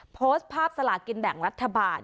โพสต์ภาพสลากินแบ่งรัฐบาล